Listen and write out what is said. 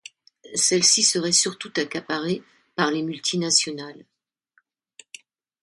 Celle-ci serait surtout accaparée par les multinationales.